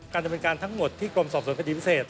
การดำเนินการทั้งหมดที่กรมสอบสวนคดีพิเศษ